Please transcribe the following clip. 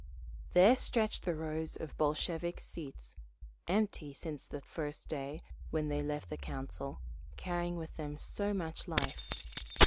There stretched the rows of Bolshevik seats—empty since that first day when they left the Council, carrying with them so much life.